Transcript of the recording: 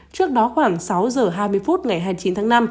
trước đó khoảng sáu giờ hai mươi phút ngày hai mươi chín tháng năm